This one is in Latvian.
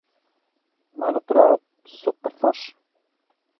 Manuprāt, superforši.